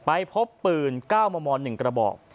พบปืน๙มม๑กระบอก